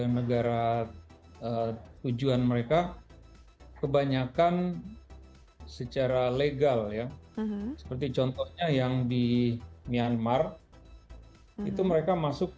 negara tujuan mereka kebanyakan secara legal ya seperti contohnya yang di myanmar itu mereka masuk